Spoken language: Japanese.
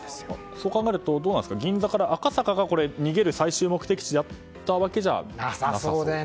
そう考えると銀座から赤坂というのが逃げる最終目的地だったわけじゃなさそうですか。